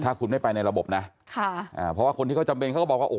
ถ้าคุณไม่ไปในระบบนะค่ะอ่าเพราะว่าคนที่เขาจำเป็นเขาก็บอกว่าอู